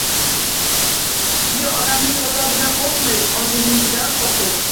Kuchli odamning g’azabidan qo’rqmang. Ojiznikidan qo’rqing!